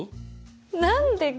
何でか？